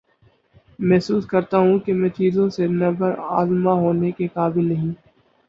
محسوس کرتا ہوں کہ میں چیزوں سے نبرد آزما ہونے کے قابل نہی